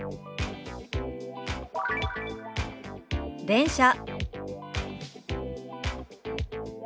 「電車」。